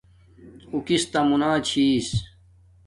او کستہ مونا چھس